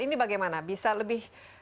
ini bagaimana bisa lebih